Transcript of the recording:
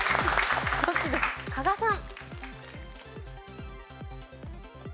加賀さん。